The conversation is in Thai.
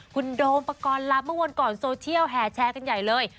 คุณโดมประกอบลับเมื่อวานก่อนโซเชียลแหแชสให้ใหญ่เลย